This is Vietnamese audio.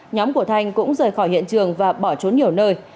nhóm của thanh cũng rời khỏi hiện trường và bỏ trốn nhiều nơi